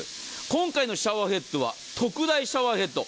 今回のシャワーヘッドは特大シャワーヘッド。